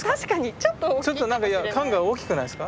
ちょっと缶が大きくないですか？